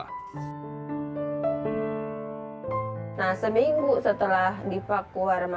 dia juga mengatakan bahwa dia ingin mencari penyertaan kecil karena dia tidak bisa berbicara dengan orang asing